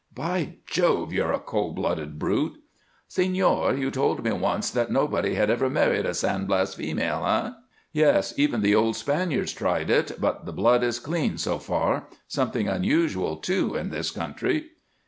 "By Jove! You're a cold blooded brute!" "Señor! You told me once that nobody had ever married a San Blas female, eh?" "Yes. Even the old Spaniards tried it, but the blood is clean, so far; something unusual, too, in this country."